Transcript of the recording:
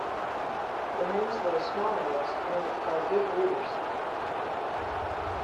The hens lay small eggs and are good brooders.